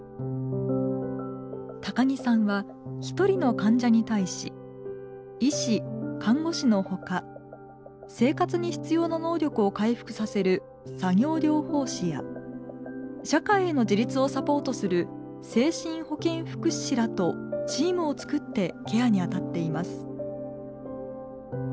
高木さんは一人の患者に対し医師看護師の他生活に必要な能力を回復させる作業療法士や社会への自立をサポートする精神保健福祉士らとチームを作ってケアに当たっています。